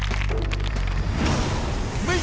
นี่แม่